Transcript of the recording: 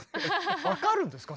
分かるんですか？